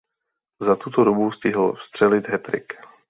Za tuto dobu stihl vstřelit hattrick.